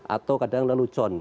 atau kadang lelucon